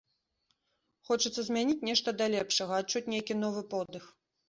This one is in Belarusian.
Хочацца змяніць нешта да лепшага, адчуць нейкі новы подых.